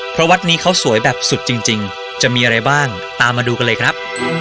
เพราะวัดนี้เขาสวยแบบสุดจริงจะมีอะไรบ้างตามมาดูกันเลยครับ